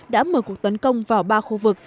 đã mở cuộc tấn công vào ba khu vực